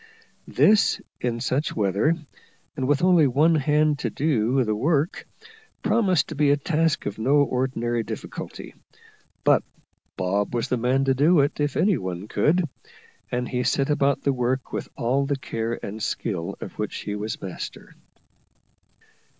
This, in such weather, and with only one hand to do the work, promised to be a task of no ordinary difficulty; but Bob was the man to do it if any one could, and he set about the work with all the care and skill of which he was master.